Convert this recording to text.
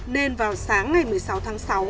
nên vào sáng ngày một mươi sáu tháng sáu